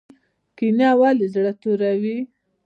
کینه ولې زړه توروي؟